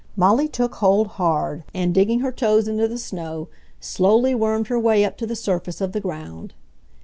Molly took hold hard, and, digging her toes into the snow, slowly wormed her way up to the surface of the ground.